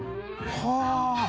はあ。